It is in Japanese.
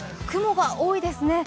雲が多いですね。